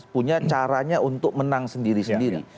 punya caranya untuk menang sendiri sendiri